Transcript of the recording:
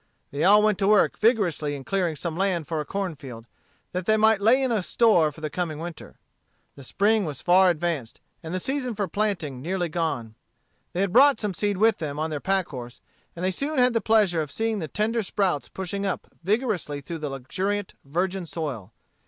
They all went to work vigorously in clearing some land for a corn field, that they might lay in a store for the coming winter. The spring was far advanced, and the season for planting nearly gone. They had brought some seed with them on their pack horse, and they soon had the pleasure of seeing the tender sprouts pushing up vigorously through the luxuriant virgin soil.